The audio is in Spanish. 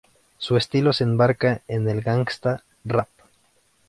Su estilo se enmarca en el gangsta rap.